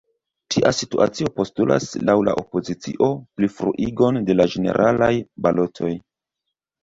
Tia situacio postulas, laŭ la opozicio, plifruigon de la ĝeneralaj balotoj.